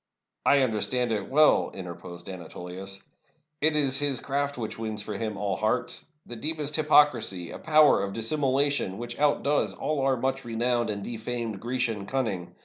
" "I understand it well," interposed Anatolius. "It is his craft which wins for him all hearts — the deepest hypocrisy, a power of dissimulation which outdoes all our much renowned and defamed Grecian cunning.